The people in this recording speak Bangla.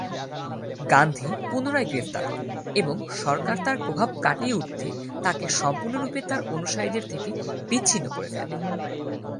গান্ধী পুনরায় গ্রেপ্তার হন এবং সরকার তার প্রভাব কাটিয়ে উঠতে তাকে সম্পূর্ণরূপে তার অনুসারীদের থেকে বিচ্ছিন্ন করে ফেলে।